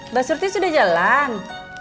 mbak surti sudah jalan